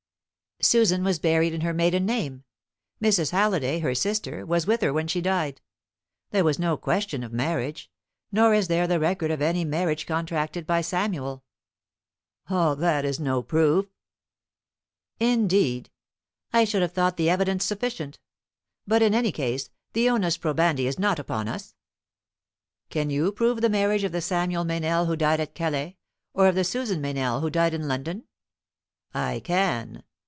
"Susan was buried in her maiden name. Mrs. Halliday, her sister, was with her when she died. There was no question of marriage; nor is there the record of any marriage contracted by Samuel." "All that is no proof." "Indeed! I should have thought the evidence sufficient. But, in any case, the onus probandi is not upon us. Can you prove the marriage of the Samuel Meynell who died at Calais, or of the Susan Meynell who died in London?" "I can.